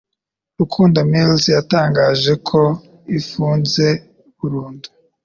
Rukundo Mills yatangaje ko ifunze burundu,